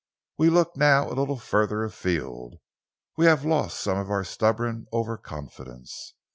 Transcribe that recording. We look now a little further afield. We have lost some of our stubborn over confidence.